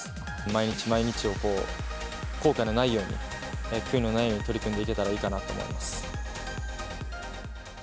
毎日毎日を後悔のないように、悔いのないように取り組んでいけたらいいかなと思います。